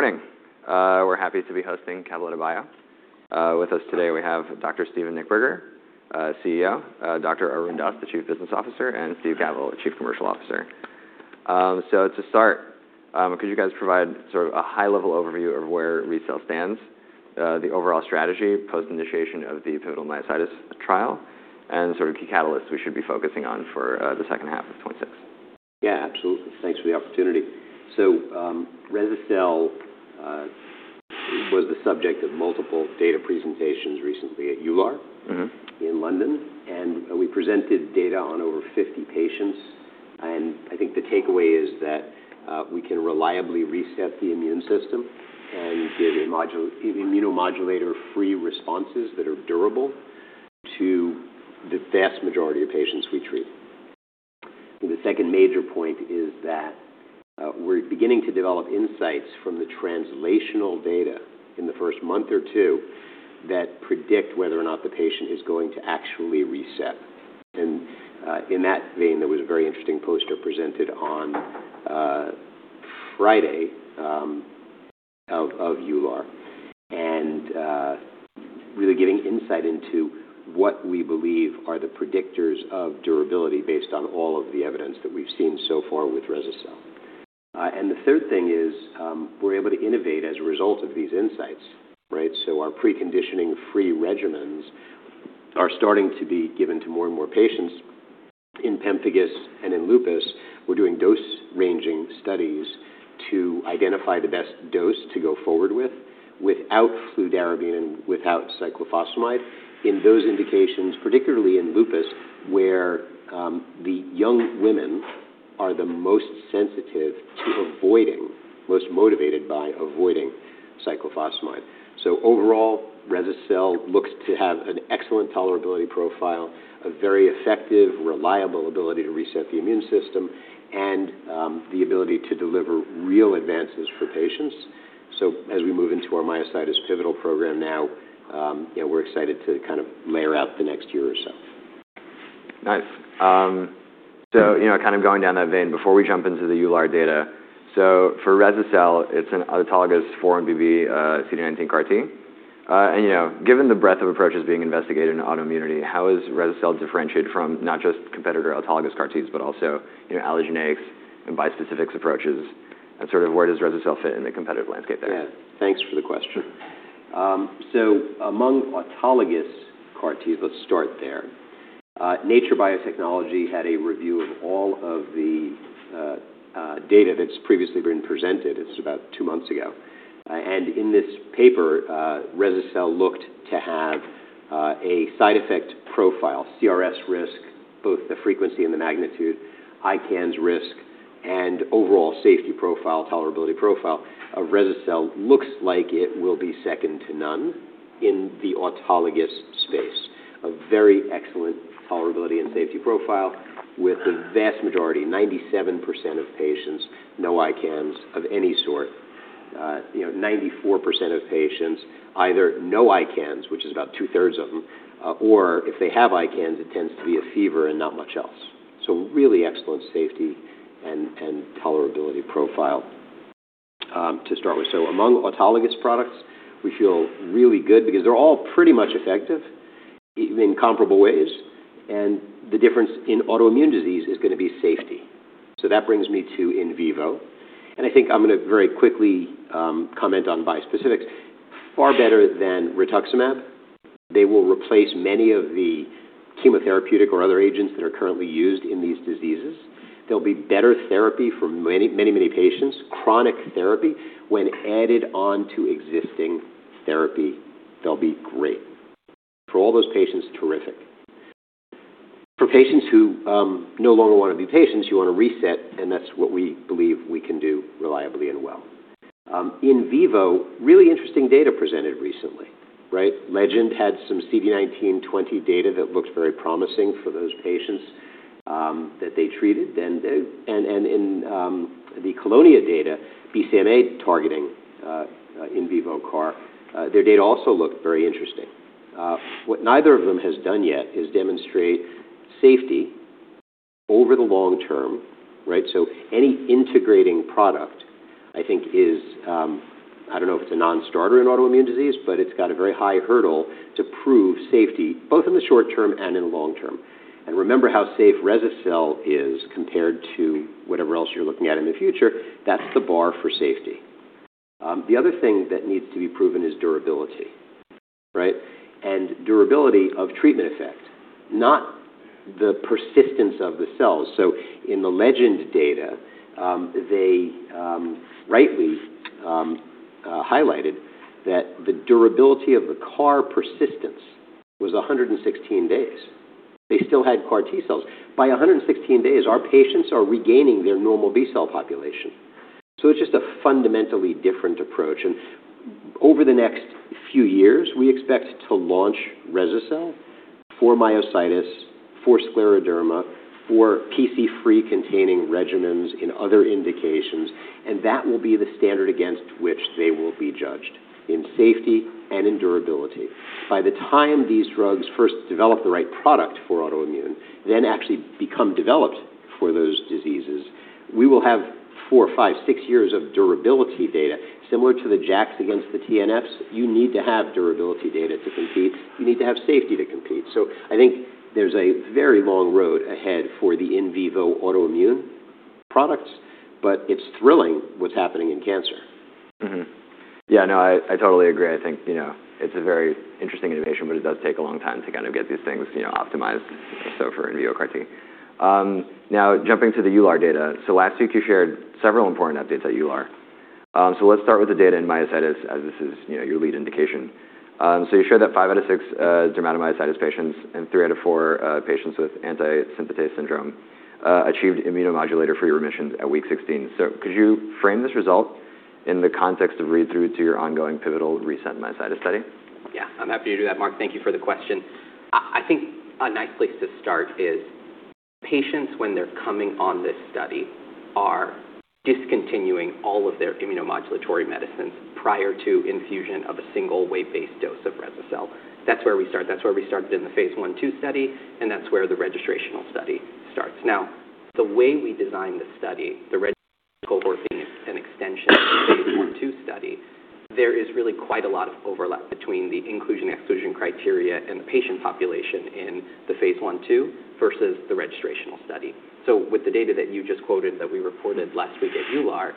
Good morning. We're happy to be hosting Cabaletta Bio. With us today, we have Dr. Steven Nichtberger, CEO, Dr. Arun Das, the Chief Business Officer, and Steve Gavel, Chief Commercial Officer. To start, could you guys provide a high-level overview of where rese-cel stands, the overall strategy post initiation of the pivotal myositis trial, and key catalysts we should be focusing on for the second half of 2026? Yeah, absolutely. Thanks for the opportunity. Rese-cel was the subject of multiple data presentations recently at EULAR. In London, we presented data on over 50 patients. I think the takeaway is that we can reliably reset the immune system and get immunomodulator-free responses that are durable to the vast majority of patients we treat. The second major point is that we're beginning to develop insights from the translational data in the first month or two that predict whether or not the patient is going to actually reset. In that vein, there was a very interesting poster presented on Friday out of EULAR, really giving insight into what we believe are the predictors of durability based on all of the evidence that we've seen so far with rese-cel. The third thing is, we're able to innovate as a result of these insights. Our preconditioning-free regimens are starting to be given to more and more patients. In pemphigus and in lupus, we're doing dose-ranging studies to identify the best dose to go forward with, without fludarabine and without cyclophosphamide in those indications, particularly in lupus, where the young women are the most sensitive to avoiding, most motivated by avoiding cyclophosphamide. Overall, rese-cel looks to have an excellent tolerability profile, a very effective, reliable ability to reset the immune system, and the ability to deliver real advances for patients. As we move into our myositis pivotal program now, we're excited to layer out the next year or so. Nice. Going down that vein, before we jump into the EULAR data, for rese-cel, it's an autologous 4-1BB CD19 CAR T. Given the breadth of approaches being investigated in autoimmunity, how is rese-cel differentiated from not just competitor autologous CAR Ts, but also allogeneics and bispecifics approaches, and where does rese-cel fit in the competitive landscape there? Yeah. Thanks for the question. Among autologous CAR T, let's start there. Nature Biotechnology had a review of all of the data that's previously been presented. It's about two months ago. In this paper, rese-cel looked to have a side effect profile, CRS risk, both the frequency and the magnitude, ICANS risk, and overall safety profile, tolerability profile of rese-cel looks like it will be second to none in the autologous space. A very excellent tolerability and safety profile with the vast majority, 97% of patients, no ICANS of any sort. 94% of patients, either no ICANS, which is about two-thirds of them, or if they have ICANS, it tends to be a fever and not much else. Really excellent safety and tolerability profile to start with. Among autologous products, we feel really good because they're all pretty much effective in comparable ways, the difference in autoimmune disease is going to be safety. That brings me to in vivo, I think I'm going to very quickly comment on bispecifics. Far better than rituximab. They will replace many of the chemotherapeutic or other agents that are currently used in these diseases. They'll be better therapy for many patients, chronic therapy. When added onto existing therapy, they'll be great. For all those patients, terrific. For patients who no longer want to be patients, who want to reset, that's what we believe we can do reliably and well. In vivo, really interesting data presented recently. Legend had some CD19 20 data that looks very promising for those patients that they treated, in the Kelonia data, BCMA targeting in vivo CAR, their data also looked very interesting. What neither of them has done yet is demonstrate safety over the long term. Any integrating product, I think is, I don't know if it's a non-starter in autoimmune disease, but it's got a very high hurdle to prove safety, both in the short term and in the long term. Remember how safe rese-cel is compared to whatever else you're looking at in the future. That's the bar for safety. The other thing that needs to be proven is durability. Durability of treatment effect, not the persistence of the cells. In the Legend data, they rightly highlighted that the durability of the CAR persistence was 116 days. They still had CAR T cells. By 116 days, our patients are regaining their normal B-cell population. It's just a fundamentally different approach, and over the next few years, we expect to launch rese-cel for myositis, for scleroderma, for PC-free containing regimens in other indications, and that will be the standard against which they will be judged in safety and in durability. By the time these drugs first develop the right product for autoimmune, then actually become developed For those diseases, we will have four, five, six years of durability data similar to the JAKs against the TNFs. You need to have durability data to compete. You need to have safety to compete. I think there's a very long road ahead for the in vivo autoimmune products, but it's thrilling what's happening in cancer. Yeah, no, I totally agree. I think it's a very interesting innovation, but it does take a long time to get these things optimized, so for in vivo CAR T. Now jumping to the EULAR data. Last week you shared several important updates at EULAR. Let's start with the data in myositis as this is your lead indication. You shared that five out of six dermatomyositis patients and three out of four patients with anti-synthetase syndrome achieved immunomodulator-free remissions at week 16. Could you frame this result in the context of read-through to your ongoing pivotal RESET-Myositis study? Yeah, I'm happy to do that, Mark. Thank you for the question. I think a nice place to start is patients when they're coming on this study are discontinuing all of their immunomodulatory medicines prior to infusion of a single weight-based dose of rese-cel. That's where we start. That's where we started in the phase I/II study, and that's where the registrational study starts. Now, the way we designed the study, the registrational cohort being an extension of the phase I/II study, there is really quite a lot of overlap between the inclusion/exclusion criteria and the patient population in the phase I/II versus the registrational study. With the data that you just quoted that we reported last week at EULAR,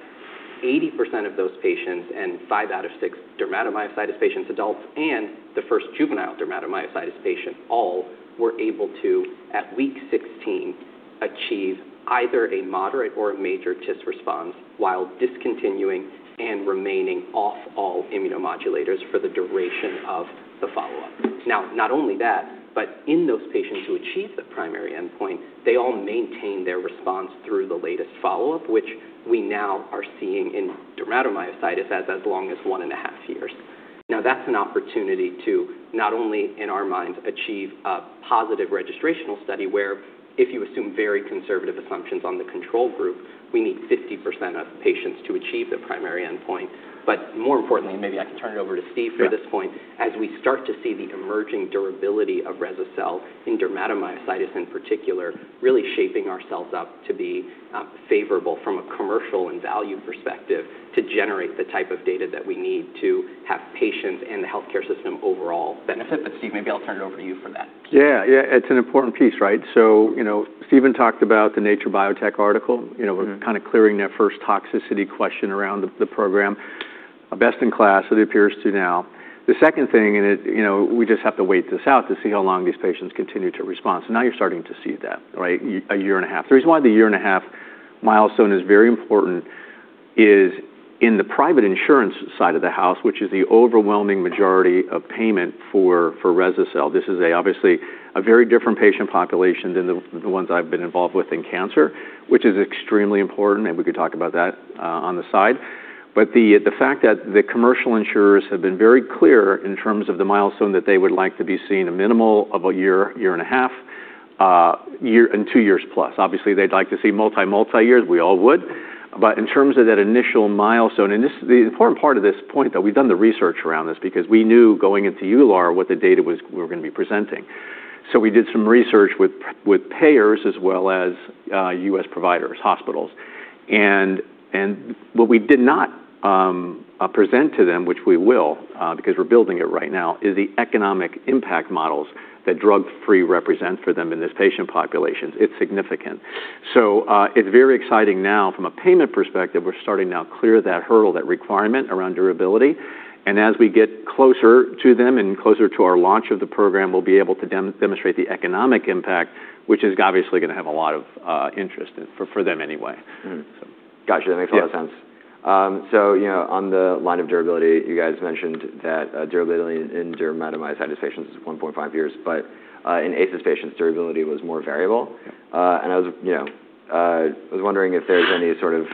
80% of those patients and five out of six dermatomyositis patients, adults, and the first juvenile dermatomyositis patient all were able to, at week 16, achieve either a moderate or a major TIS response while discontinuing and remaining off all immunomodulators for the duration of the follow-up. Not only that, but in those patients who achieve the primary endpoint, they all maintain their response through the latest follow-up, which we now are seeing in dermatomyositis as long as one and a half years. That's an opportunity to not only, in our minds, achieve a positive registrational study where if you assume very conservative assumptions on the control group, we need 50% of patients to achieve the primary endpoint. More importantly, and maybe I can turn it over to Steve for this point, as we start to see the emerging durability of rese-cel in dermatomyositis in particular, really shaping ourselves up to be favorable from a commercial and value perspective to generate the type of data that we need to have patients and the healthcare system overall benefit. Steve, maybe I'll turn it over to you for that piece. Yeah. It's an important piece, right? Steven talked about the Nature Biotechnology article. We're kind of clearing that first toxicity question around the program. Best in class, it appears to now. The second thing, and we just have to wait this out to see how long these patients continue to respond. Now you're starting to see that, right? A year and a half. The reason why the year and a half milestone is very important is in the private insurance side of the house, which is the overwhelming majority of payment for rese-cel. This is obviously a very different patient population than the ones I've been involved with in cancer, which is extremely important, and we could talk about that on the side. The fact that the commercial insurers have been very clear in terms of the milestone that they would like to be seeing a minimal of a year and a half, and two years plus. Obviously, they'd like to see multi years. We all would. In terms of that initial milestone, and the important part of this point, though, we've done the research around this because we knew going into EULAR what the data we were going to be presenting. We did some research with payers as well as U.S. providers, hospitals. What we did not present to them, which we will because we're building it right now, is the economic impact models that drug-free represent for them in this patient population. It's significant. It's very exciting now from a payment perspective, we're starting now clear that hurdle, that requirement around durability. As we get closer to them and closer to our launch of the program, we'll be able to demonstrate the economic impact, which is obviously going to have a lot of interest for them anyway. Mm-hmm. Got you. That makes a lot of sense. Yeah. On the line of durability, you guys mentioned that durability in dermatomyositis patients is 1.5 years, but in ASyS patients patients, durability was more variable. Yeah. I was wondering if there's any sort of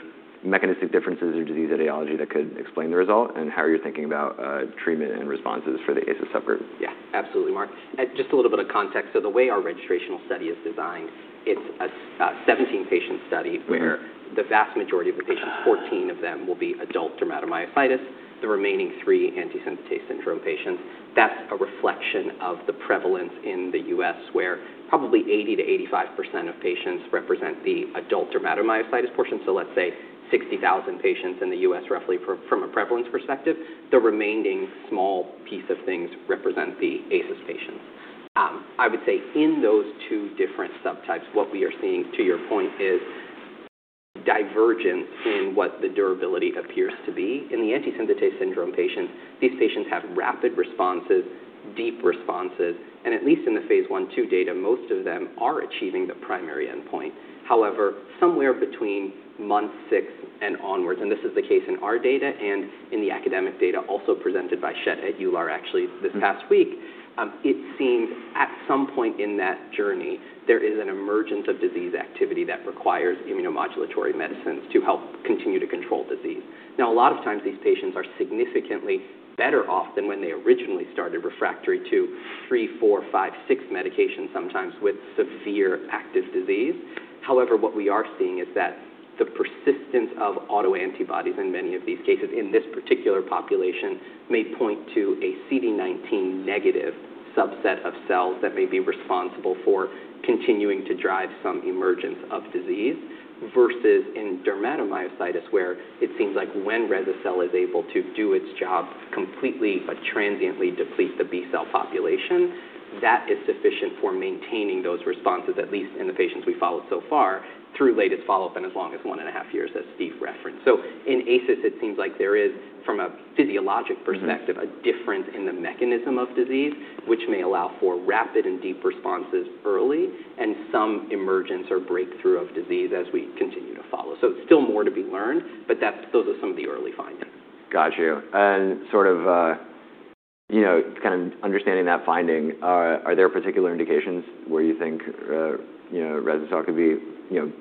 mechanistic differences or disease etiology that could explain the result and how you're thinking about treatment and responses for the ASyS subgroup. Yeah, absolutely, Mark. Just a little bit of context. The way our registrational study is designed, it is a 17-patient study where the vast majority of the patients, 14 of them, will be adult dermatomyositis, the remaining three anti-synthetase syndrome patients. That is a reflection of the prevalence in the U.S., where probably 80%-85% of patients represent the adult dermatomyositis portion, let us say 60,000 patients in the U.S. roughly from a prevalence perspective. The remaining small piece of things represent the ASyS patients. I would say in those two different subtypes, what we are seeing, to your point, is divergence in what the durability appears to be. In the anti-synthetase syndrome patients, these patients have rapid responses, deep responses, and at least in the phase I/II data, most of them are achieving the primary endpoint. However, somewhere between month six and onwards, and this is the case in our data and in the academic data also presented by Charité at EULAR, actually this past week, it seems at some point in that journey, there is an emergence of disease activity that requires immunomodulatory medicines to help continue to control disease. A lot of times these patients are significantly better off than when they originally started refractory to three, four, five, six medications, sometimes with severe active disease. However, what we are seeing is that the instance of autoantibodies in many of these cases in this particular population may point to a CD19 negative subset of cells that may be responsible for continuing to drive some emergence of disease, versus in dermatomyositis where it seems like when rese-cel is able to do its job completely but transiently deplete the B cell population, that is sufficient for maintaining those responses, at least in the patients we followed so far, through latest follow-up in as long as one and a half years, as Steve referenced. In ASyS, it seems like there is, from a physiologic perspective a difference in the mechanism of disease, which may allow for rapid and deep responses early and some emergence or breakthrough of disease as we continue to follow. It is still more to be learned, but those are some of the early findings. Understanding that finding, are there particular indications where you think rese-cel could be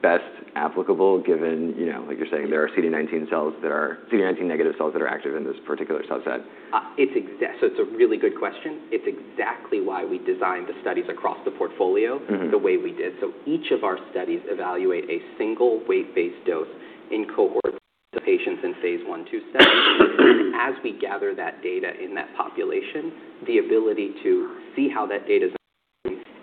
best applicable given, like you're saying, there are CD19 negative cells that are active in this particular subset? It's a really good question. It's exactly why we designed the studies across the portfolio- the way we did. Each of our studies evaluate a single weight-based dose in cohorts of patients in phase I, II settings. As we gather that data in that population, the ability to see how that data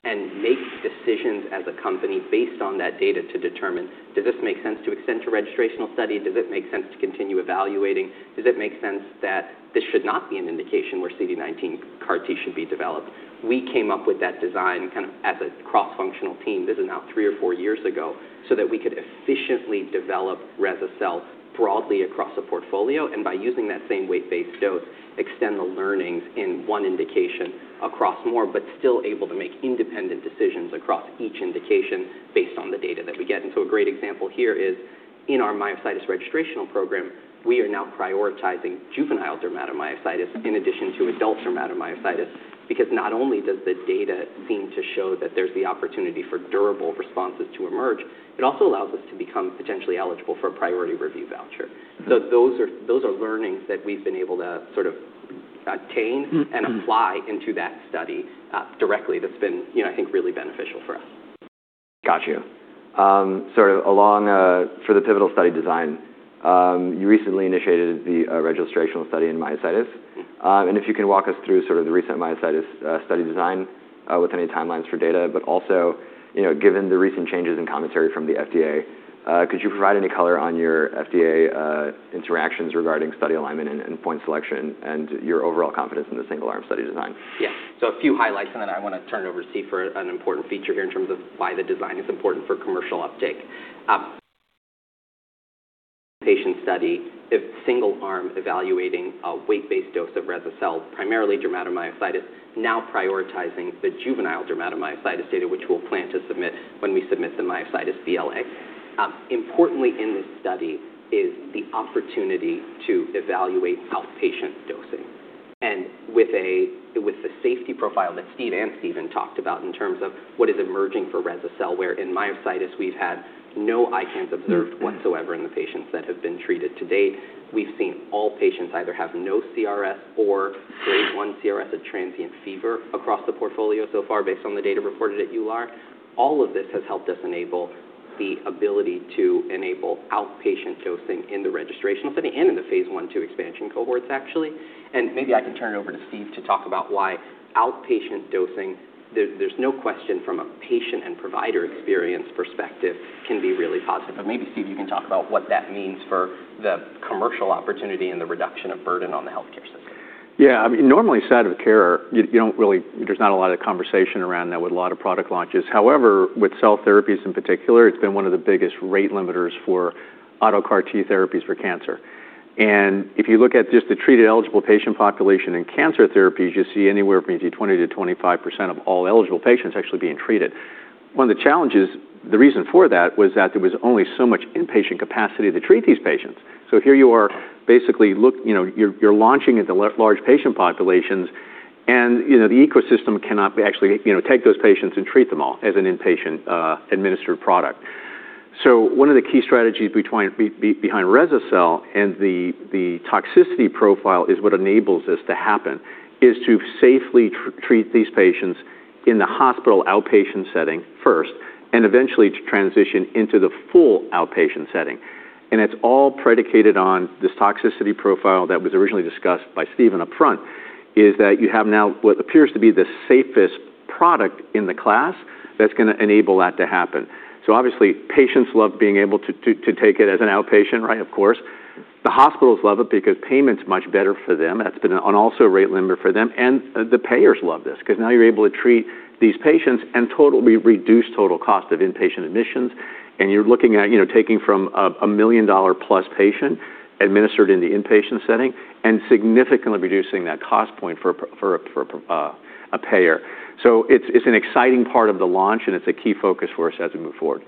and make decisions as a company based on that data to determine, does this make sense to extend to registrational study? Does it make sense to continue evaluating? Does it make sense that this should not be an indication where CD19 CAR T should be developed? We came up with that design as a cross-functional team, this is now three or four years ago, so that we could efficiently develop rese-cel broadly across the portfolio, and by using that same weight-based dose, extend the learnings in one indication across more, but still able to make independent decisions across each indication based on the data that we get. A great example here is in our myositis registrational program, we are now prioritizing juvenile dermatomyositis in addition to adult dermatomyositis because not only does the data seem to show that there's the opportunity for durable responses to emerge, it also allows us to become potentially eligible for a priority review voucher. Those are learnings that we've been able to obtain and apply into that study directly that's been, I think, really beneficial for us. Got you. For the pivotal study design, you recently initiated the registrational study in myositis. If you can walk us through the recent myositis study design with any timelines for data, but also, given the recent changes in commentary from the FDA, could you provide any color on your FDA interactions regarding study alignment and endpoint selection and your overall confidence in the single arm study design? Yeah. A few highlights, and then I want to turn it over to Steve for an important feature here in terms of why the design is important for commercial uptake. Patient study is single arm evaluating a weight-based dose of rese-cel, primarily dermatomyositis, now prioritizing the juvenile dermatomyositis data, which we'll plan to submit when we submit the myositis BLA. Importantly in this study is the opportunity to evaluate outpatient dosing and with the safety profile that Steve and Steven talked about in terms of what is emerging for rese-cel, where in myositis we've had no ICANS observed. whatsoever in the patients that have been treated to date. We've seen all patients either have no CRS or Grade 1 CRS, a transient fever across the portfolio so far based on the data reported at EULAR. All of this has helped us enable the ability to enable outpatient dosing in the registrational setting and in the phase I, II expansion cohorts, actually. Maybe I can turn it over to Steve to talk about why outpatient dosing, there's no question from a patient and provider experience perspective can be really positive. Maybe, Steve, you can talk about what that means for the commercial opportunity and the reduction of burden on the healthcare system. Yeah, I mean, normally side of care, there's not a lot of conversation around that with a lot of product launches. However, with cell therapies in particular, it's been one of the biggest rate limiters for auto CAR T therapies for cancer. If you look at just the treated eligible patient population in cancer therapies, you see anywhere between 20%-25% of all eligible patients actually being treated. One of the challenges, the reason for that was that there was only so much inpatient capacity to treat these patients. Here you are, basically, you're launching into large patient populations, and the ecosystem cannot actually take those patients and treat them all as an inpatient administered product. One of the key strategies behind rese-cel, and the toxicity profile is what enables this to happen, is to safely treat these patients in the hospital outpatient setting first, and eventually to transition into the full outpatient setting. It's all predicated on this toxicity profile that was originally discussed by Steven upfront, is that you have now what appears to be the safest product in the class that's going to enable that to happen. Obviously, patients love being able to take it as an outpatient, right? Of course. The hospitals love it because payment's much better for them. That's been also a rate limiter for them. The payers love this because now you're able to treat these patients and totally reduce total cost of inpatient admissions, and you're looking at taking from a $1 million-plus patient administered in the inpatient setting and significantly reducing that cost point for a payer. It's an exciting part of the launch, and it's a key focus for us as we move forward.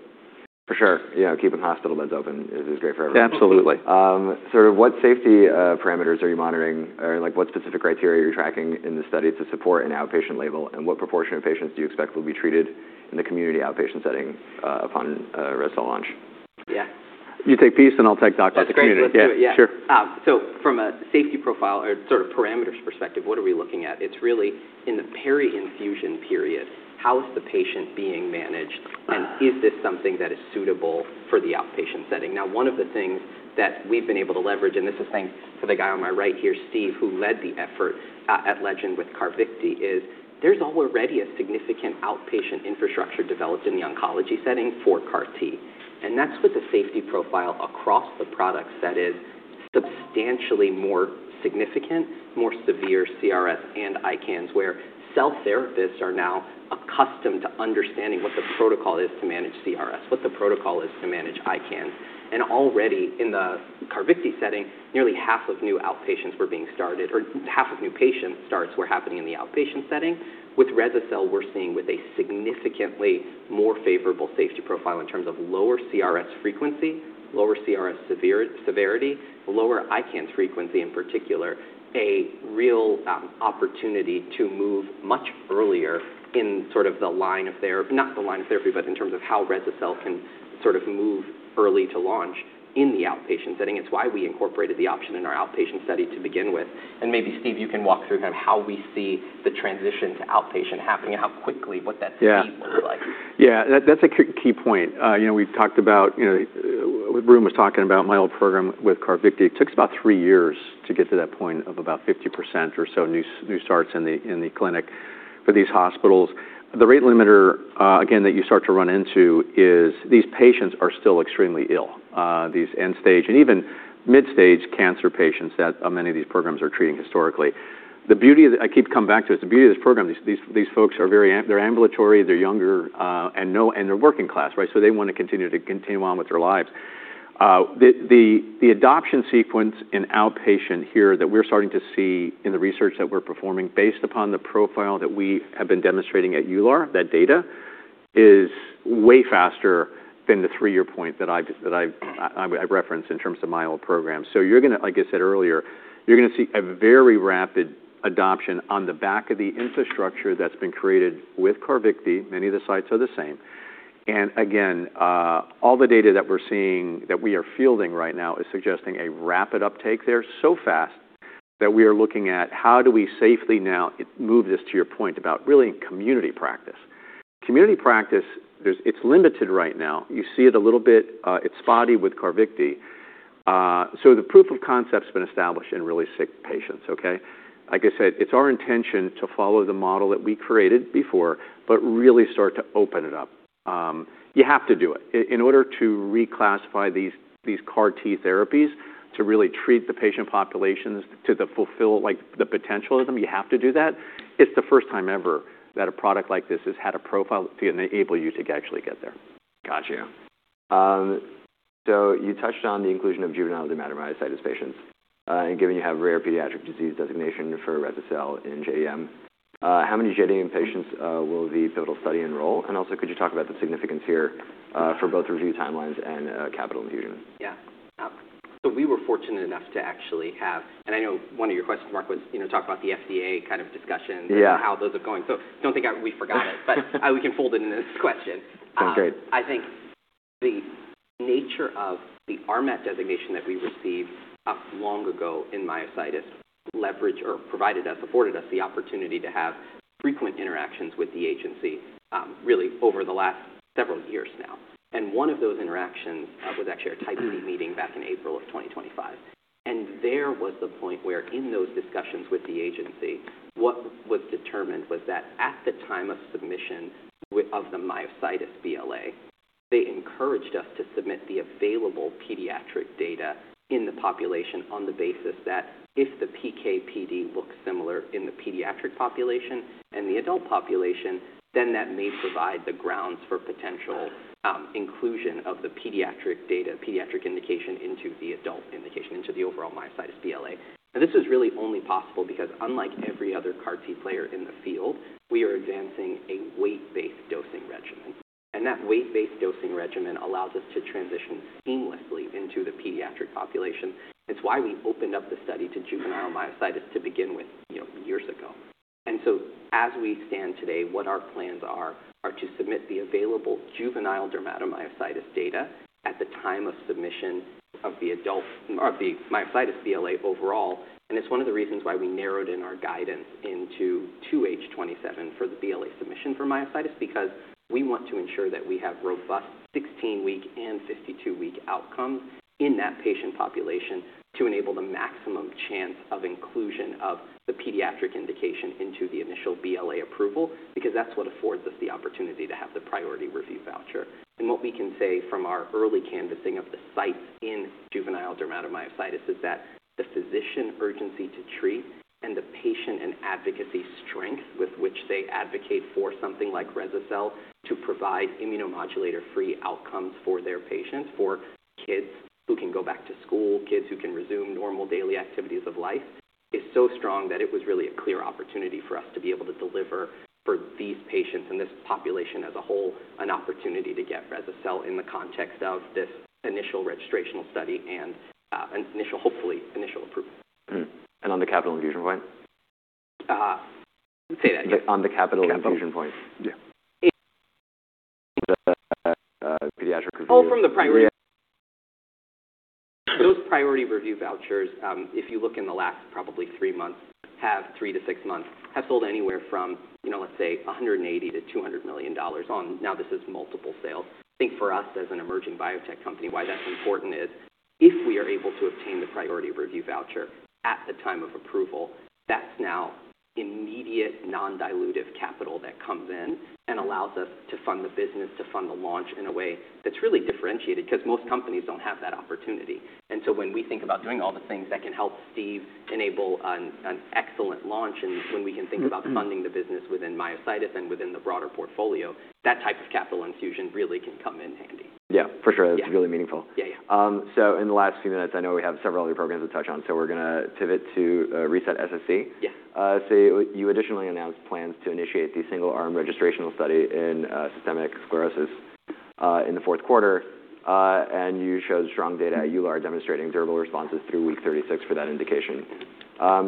For sure. Keeping hospital beds open is great for everyone. Absolutely. What safety parameters are you monitoring, or what specific criteria are you tracking in the study to support an outpatient label, and what proportion of patients do you expect will be treated in the community outpatient setting upon rese-cel launch? Yeah. You take piece, and I'll take doctor to community. That's great. Let's do it. Yeah, sure. From a safety profile or parameters perspective, what are we looking at? It's really in the peri-infusion period, how is the patient being Is this something that is suitable for the outpatient setting? One of the things that we've been able to leverage, and this is thanks to the guy on my right here, Steve, who led the effort at Legend with CARVYKTI, is there's already a significant outpatient infrastructure developed in the oncology setting for CAR T, and that's with a safety profile across the products that is substantially more significant, more severe CRS and ICANS, where cell therapists are now accustomed to understanding what the protocol is to manage CRS, what the protocol is to manage ICANS. Already in the CARVYKTI setting, nearly half of new patients starts were happening in the outpatient setting. With rese-cel, we're seeing with a significantly more favorable safety profile in terms of lower CRS frequency, lower CRS severity, lower ICANS frequency in particular, a real opportunity to move much earlier in the line of therapy, not the line of therapy, but in terms of how rese-cel can move early to launch in the outpatient setting. It's why we incorporated the option in our outpatient study to begin with, and maybe Steve, you can walk through how we see the transition to outpatient happening and how quickly. Yeah pace will look like. Yeah, that's a key point. Arun was talking about my old program with CARVYKTI. It took us about three years to get to that point of about 50% or so new starts in the clinic for these hospitals. The rate limiter, again, that you start to run into is these patients are still extremely ill, these end-stage and even mid-stage cancer patients that many of these programs are treating historically. I keep coming back to this, the beauty of this program, these folks are ambulatory, they're younger, and they're working class, right? They want to continue on with their lives. The adoption sequence in outpatient here that we're starting to see in the research that we're performing based upon the profile that we have been demonstrating at EULAR, that data, is way faster than the three-year point that I referenced in terms of my old program. You're going to, like I said earlier, you're going to see a very rapid adoption on the back of the infrastructure that's been created with CARVYKTI. Many of the sites are the same, and again, all the data that we're seeing, that we are fielding right now is suggesting a rapid uptake there, so fast that we are looking at how do we safely now move this, to your point about really community practice. Community practice, it's limited right now. You see it a little bit, it's spotty with CARVYKTI. The proof of concept's been established in really sick patients, okay? Like I said, it's our intention to follow the model that we created before, but really start to open it up. You have to do it. In order to reclassify these CAR T therapies to really treat the patient populations to fulfill the potential of them, you have to do that. It's the first time ever that a product like this has had a profile to enable you to actually get there. Got you. You touched on the inclusion of juvenile dermatomyositis patients, given you have rare pediatric disease designation for rese-cel in JDM, how many JDM patients will the pivotal study enroll? Could you talk about the significance here for both review timelines and capital infusions? Yeah. We were fortunate enough to actually have, I know one of your questions, Mark, was talk about the FDA kind of discussions. Yeah How those are going. Don't think we forgot it, we can fold it into this question. Sounds great. I think the nature of the RMAT designation that we received long ago in myositis leverage or provided us, afforded us the opportunity to have frequent interactions with the agency, really over the last several years now. One of those interactions was actually a Type C meeting back in April of 2025. There was a point where in those discussions with the agency, what was determined was that at the time of submission of the myositis BLA, they encouraged us to submit the available pediatric data in the population on the basis that if the PK/PD looks similar in the pediatric population and the adult population, then that may provide the grounds for potential inclusion of the pediatric data, pediatric indication into the adult indication, into the overall myositis BLA. This is really only possible because unlike every other CAR T player in the field, we are advancing a weight-based dosing regimen. That weight-based dosing regimen allows us to transition seamlessly into the pediatric population. It's why we opened up the study to juvenile dermatomyositis to begin with years ago. As we stand today, what our plans are to submit the available juvenile dermatomyositis data at the time of submission of the myositis BLA overall. It's one of the reasons why we narrowed in our guidance into 2H 2027 for the BLA submission for myositis because we want to ensure that we have robust 16-week and 52-week outcomes in that patient population to enable the maximum chance of inclusion of the pediatric indication into the initial BLA approval, because that's what affords us the opportunity to have the priority review voucher. What we can say from our early canvassing of the sites in juvenile dermatomyositis is that the physician urgency to treat and the patient and advocacy strength with which they advocate for something like rese-cel to provide immunomodulator-free outcomes for their patients, for kids who can go back to school, kids who can resume normal daily activities of life, is so strong that it was really a clear opportunity for us to be able to deliver for these patients and this population as a whole, an opportunity to get rese-cel in the context of this initial registrational study and hopefully initial approval. On the capital infusion point? Say that again. On the capital infusion point. Yeah. The pediatric review. Oh, from the primary. Those priority review vouchers, if you look in the last three to six months, have sold anywhere from, let's say, $180 million-$200 million. Now, this is multiple sales. I think for us as an emerging biotech company, why that's important is if we are able to obtain the priority review voucher at the time of approval, that's now immediate non-dilutive capital that comes in and allows us to fund the business, to fund the launch in a way that's really differentiated because most companies don't have that opportunity. When we think about doing all the things that can help Steve enable an excellent launch, when we can think about funding the business within myositis and within the broader portfolio, that type of capital infusion really can come in handy. Yeah, for sure. Yeah. That's really meaningful. Yeah. In the last few minutes, I know we have several other programs to touch on, we're going to pivot to RESET-SSc. Yeah. You additionally announced plans to initiate the single-arm registrational study in systemic sclerosis in the fourth quarter, and you showed strong data at EULAR demonstrating durable responses through week 36 for that indication.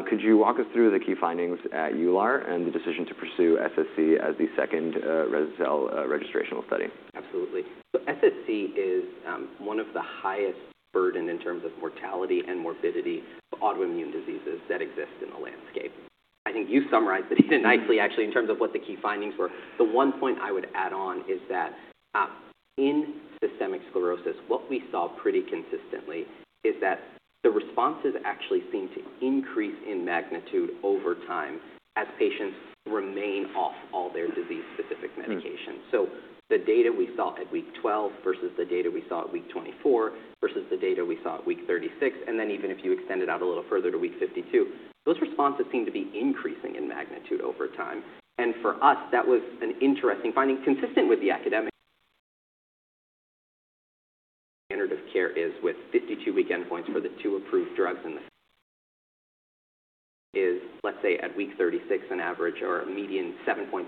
Could you walk us through the key findings at EULAR and the decision to pursue SSc as the second rese-cel registrational study? Absolutely. SSc is one of the highest burden in terms of mortality and morbidity of autoimmune diseases that exist in the landscape. I think you summarized it nicely, actually, in terms of what the key findings were. The one point I would add on is that in systemic sclerosis, what we saw pretty consistently is that the responses actually seem to increase in magnitude over time as patients remain off all their disease-specific medications. The data we saw at week 12 versus the data we saw at week 24 versus the data we saw at week 36, and then even if you extend it out a little further to week 52, those responses seem to be increasing in magnitude over time. For us, that was an interesting finding consistent with the academic standard of care is with 52-week endpoints for the two approved drugs in the is, let's say, at week 36, an average or a median 7.5%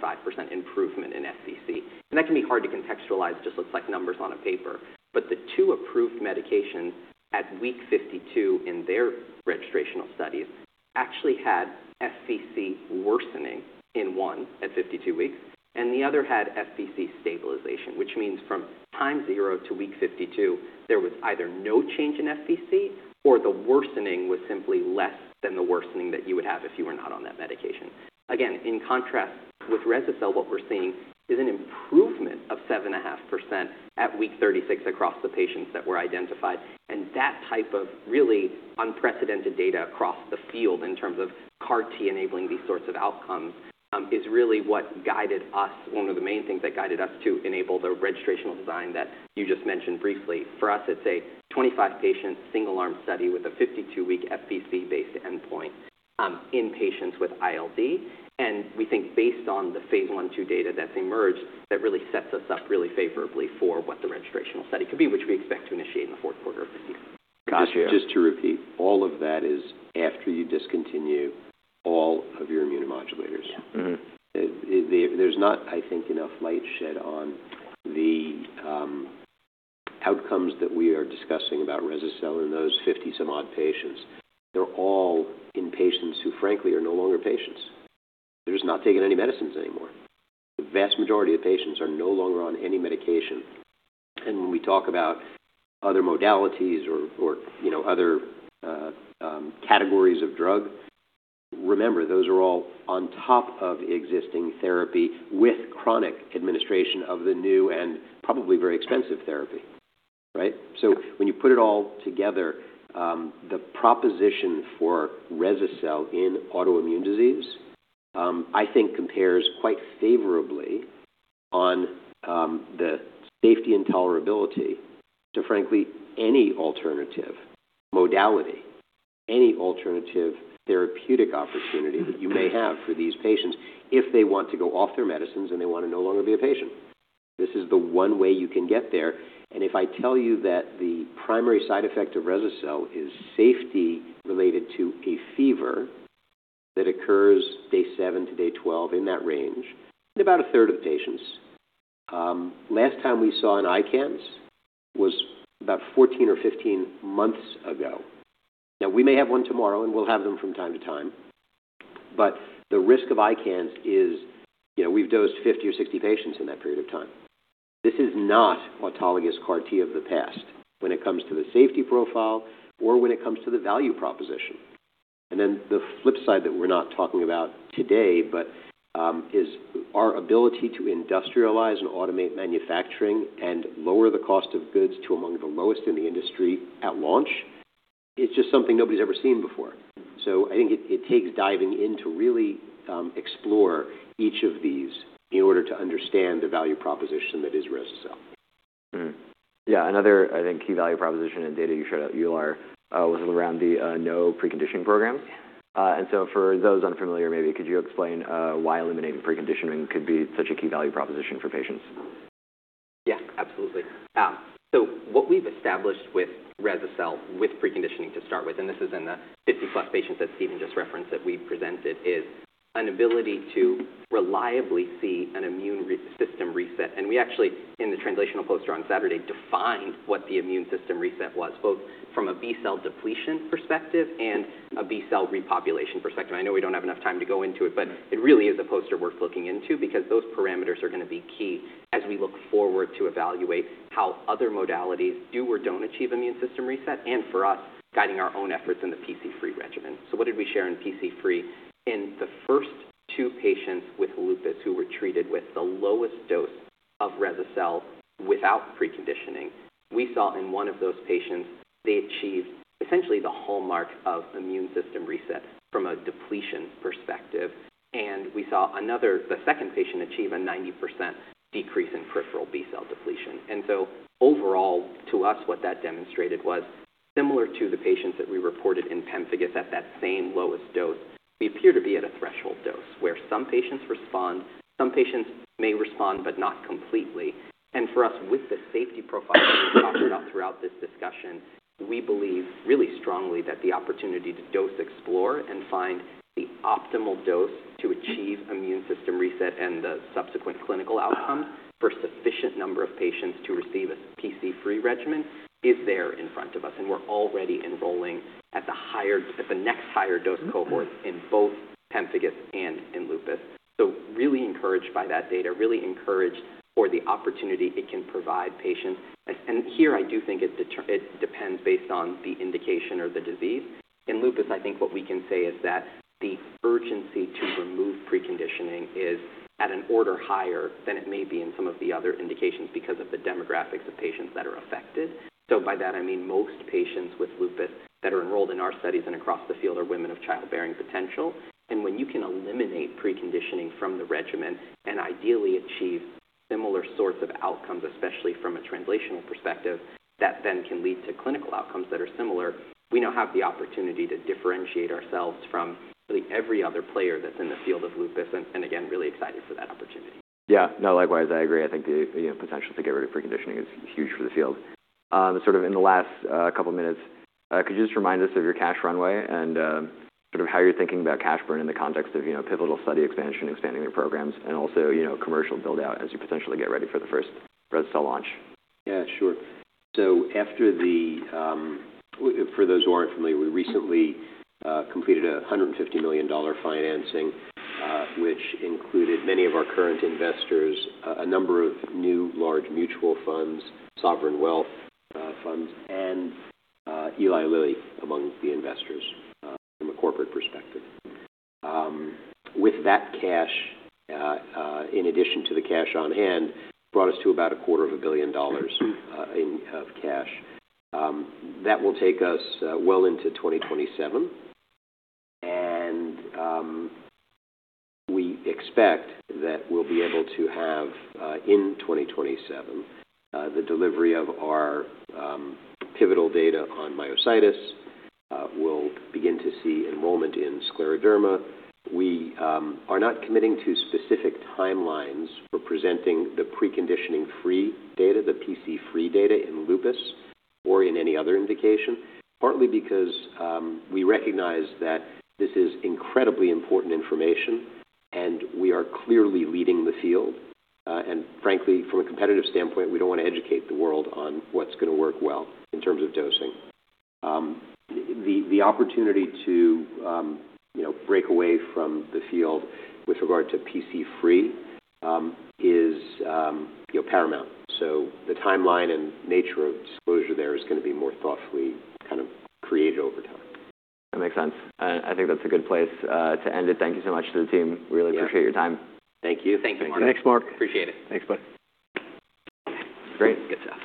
improvement in SSc. That can be hard to contextualize, just looks like numbers on a paper. The two approved medications at week 52 in their registrational studies actually had SSc worsening in one at 52 weeks, and the other had SSc stabilization, which means from time zero to week 52, there was either no change in SSc or the worsening was simply less than the worsening that you would have if you were not on that medication. Again, in contrast with rese-cel, what we're seeing is an improvement of 7.5% at week 36 across the patients that were identified, and that type of really unprecedented data across the field in terms of CAR T enabling these sorts of outcomes is really what guided us, one of the main things that guided us to enable the registrational design that you just mentioned briefly. For us, it's a 25-patient single-arm study with a 52-week SSc-based endpoint in patients with ILD. We think based on the phase I, II data that's emerged, that really sets us up really favorably for what the registrational study could be, which we expect to initiate in the fourth quarter of this year. Got you. Just to repeat, all of that is after you discontinue all of your immunomodulators. Yeah. There's not, I think, enough light shed on the outcomes that we are discussing about rese-cel in those 50-some-odd patients. They're all in patients who, frankly, are no longer patients. They're just not taking any medicines anymore. The vast majority of patients are no longer on any medication. When we talk about other modalities or other categories of drug, remember, those are all on top of existing therapy with chronic administration of the new and probably very expensive therapy, right? When you put it all together, the proposition for rese-cel in autoimmune disease, I think compares quite favorably on the safety and tolerability to, frankly, any alternative modality, any alternative therapeutic opportunity that you may have for these patients if they want to go off their medicines and they want to no longer be a patient. This is the one way you can get there, and if I tell you that the primary side effect of rese-cel is safety related to a fever that occurs day seven to day 12, in that range, in about a third of patients. Last time we saw an ICANS was about 14 or 15 months ago. Now, we may have one tomorrow, and we'll have them from time to time, but the risk of ICANS is we've dosed 50 or 60 patients in that period of time. This is not autologous CAR T of the past when it comes to the safety profile or when it comes to the value proposition. The flip side that we're not talking about today, but is our ability to industrialize and automate manufacturing and lower the cost of goods to among the lowest in the industry at launch. It's just something nobody's ever seen before. I think it takes diving in to really explore each of these in order to understand the value proposition that is rese-cel. Yeah. Another, I think, key value proposition and data you showed at EULAR was around the no preconditioning program. Yeah. For those unfamiliar, maybe could you explain why eliminating preconditioning could be such a key value proposition for patients? Yeah, absolutely. What we've established with rese-cel with preconditioning to start with, and this is in the 50+ patients that Steven just referenced that we've presented, is an ability to reliably see an immune system reset. We actually, in the translational poster on Saturday, defined what the immune system reset was, both from a B-cell depletion perspective and a B-cell repopulation perspective. I know we don't have enough time to go into it, but it really is a poster worth looking into because those parameters are going to be key as we look forward to evaluate how other modalities do or don't achieve immune system reset and for us, guiding our own efforts in the PC-free regimen. What did we share in PC-free? In the first two patients with lupus who were treated with the lowest dose of rese-cel without preconditioning. We saw in one of those patients, they achieved essentially the hallmark of immune system reset from a depletion perspective. We saw the second patient achieve a 90% decrease in peripheral B-cell depletion. Overall, to us, what that demonstrated was similar to the patients that we reported in pemphigus at that same lowest dose. We appear to be at a threshold dose where some patients respond, some patients may respond, but not completely. For us, with the safety profile that we've talked about throughout this discussion, we believe really strongly that the opportunity to dose explore and find the optimal dose to achieve immune system reset and the subsequent clinical outcome for sufficient number of patients to receive a PC-free regimen is there in front of us, and we're already enrolling at the next higher dose cohort in both pemphigus and in lupus. Really encouraged by that data, really encouraged for the opportunity it can provide patients. Here I do think it depends based on the indication or the disease. In lupus, I think what we can say is that the urgency to remove preconditioning is at an order higher than it may be in some of the other indications because of the demographics of patients that are affected. By that I mean most patients with lupus that are enrolled in our studies and across the field are women of childbearing potential. When you can eliminate preconditioning from the regimen and ideally achieve similar sorts of outcomes, especially from a translational perspective, that then can lead to clinical outcomes that are similar. We now have the opportunity to differentiate ourselves from every other player that's in the field of lupus, and again, really excited for that opportunity. Likewise, I agree. I think the potential to get rid of preconditioning is huge for the field. Sort of in the last couple of minutes, could you just remind us of your cash runway and how you're thinking about cash burn in the context of pivotal study expansion, expanding your programs and also commercial build-out as you potentially get ready for the first rese-cel launch? For those who aren't familiar, we recently completed a $150 million financing, which included many of our current investors, a number of new large mutual funds, sovereign wealth funds, and Eli Lilly among the investors from a corporate perspective. With that cash, in addition to the cash on hand, brought us to about a quarter of a billion dollars of cash. That will take us well into 2027, and we expect that we'll be able to have, in 2027, the delivery of our pivotal data on myositis. We'll begin to see enrollment in scleroderma. We are not committing to specific timelines for presenting the preconditioning-free data, the PC-free data in lupus or in any other indication, partly because we recognize that this is incredibly important information, and we are clearly leading the field. Frankly, from a competitive standpoint, we don't want to educate the world on what's going to work well in terms of dosing. The opportunity to break away from the field with regard to PC-free is paramount. The timeline and nature of disclosure there is going to be more thoughtfully kind of created over time. That makes sense. I think that's a good place to end it. Thank you so much to the team. Really appreciate your time. Thank you. Thanks, Mark. Appreciate it. Thanks, bud. Great. Good stuff.